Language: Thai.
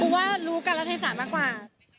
กูว่ารู้การรดษามากกว่า